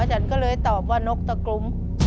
ฉันก็เลยตอบว่านกตะกรุม